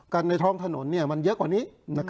กันในท้องถนนเนี่ยมันเยอะกว่านี้